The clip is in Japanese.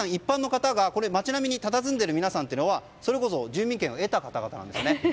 街並みにたたずんでいる皆さんはそれこそ住民権を得た方々なんですよね。